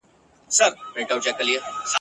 ته به پروت یې په محراب کي د کلونو رنځ وهلی ..